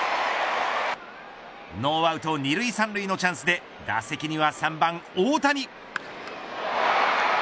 ノーアウト２塁３塁のチャンスで打席には３番大谷。